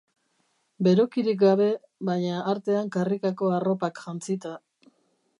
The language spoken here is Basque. Berokirik gabe, baina artean karrikako arropak jantzita.